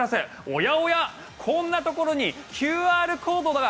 おやおや、こんなところにＱＲコードが。